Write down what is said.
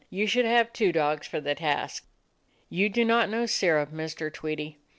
You should have two dogs for the task." "You do not know Sirrah, Mr. Tweedie.